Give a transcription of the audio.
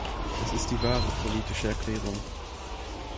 Das ist die wahre politische Erklärung.